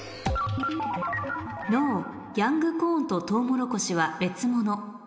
「ＮＯヤングコーンとトウモロコシは別物」